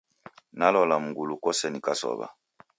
Nalola mngulu kose nikasow'a.